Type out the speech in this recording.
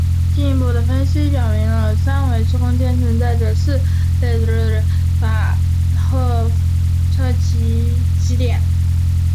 进一步的分析表明三维空间中存在着四类范霍夫奇点。